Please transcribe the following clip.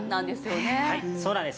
はいそうなんです。